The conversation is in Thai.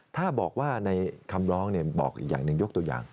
ถ้าบอกว่าในคำร้องบอกอีกอย่างหนึ่งยกตัวอย่าง